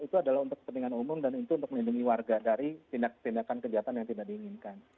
itu adalah untuk kepentingan umum dan itu untuk melindungi warga dari tindak tindakan kejahatan yang tidak diinginkan